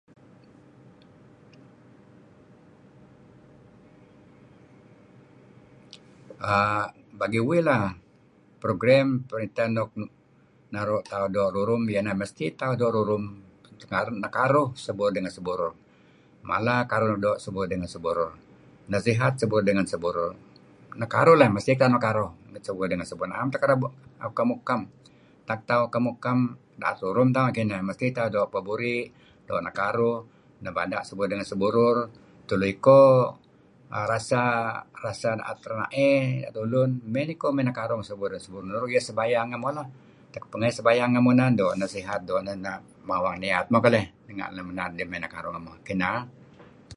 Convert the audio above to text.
Bagi uih lah, program perintah nuk naru' tauh doo' rurum, iyeh ineh mesti tauh doo' rurum bah, nekaruh sah burur ngen sah burur , mala karuh luk doo' sah burur ngen sah burur, nasihat sah burur dengen sah burur, nekaruh leh, mesti tauh nekaruh sah burur ngen sah burur, na'em tauh kereb ukem-ukem. Tak tauh ukem-ukem, 'at rurum tauh renga' kineh, mesti tauh doo' peburi', nebada' sah burur ngen sah burur. Tulu iko rasa da'et rena'ey dulun mey tiko nekaruh ngenah, nuru' iyeh sembayang ngemuh. Pengeh iyeh sembayang ngemuh na'en, doo' neh sihat, doo' neh mawang niyat muh keleh, kereb niyeh nekaruh ngemuh, Kinah.